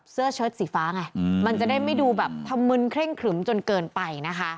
เชิดสีฟ้าไงมันจะได้ไม่ดูแบบทำมึนเคร่งครึมจนเกินไปนะคะ